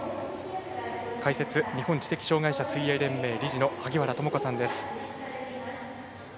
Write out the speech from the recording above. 解説日本知的障害者水泳連盟理事の萩原智子さんです。